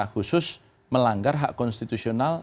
khusus melanggar hak konstitusional